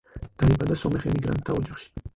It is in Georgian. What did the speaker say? დაიბადა სომეხ ემიგრანტთა ოჯახში.